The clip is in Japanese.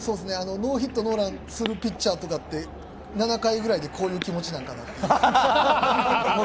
ノーヒットノーランするピッチャーとかって、７回くらいでこういう気持ちなんかなっていう。